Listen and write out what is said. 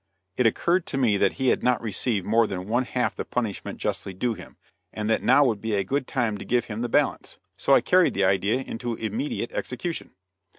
It occurred to me that he had not received more than one half the punishment justly due him, and that now would be a good time to give him the balance so I carried the idea into immediate execution.